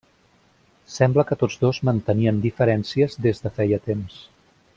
Sembla que tots dos mantenien diferències des de feia temps.